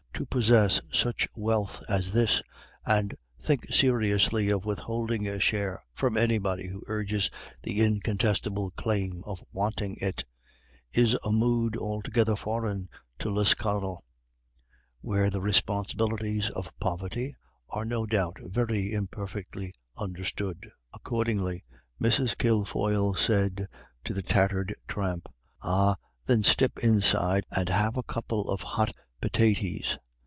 To possess such wealth as this, and think seriously of withholding a share from anybody who urges the incontestable claim of wanting it, is a mood altogether foreign to Lisconnel, where the responsibilities of poverty are no doubt very imperfectly understood. Accordingly Mrs. Kilfoyle said to the tattered tramp, "Ah, thin, step inside and have a couple of hot pitaties."